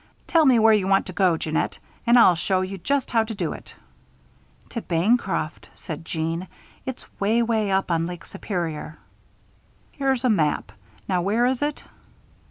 Tell me where you want to go, Jeannette, and I'll show you just how to do it." "To Bancroft," said Jeanne. "It's 'way, 'way up on Lake Superior." "Here's a map. Now, where is it?"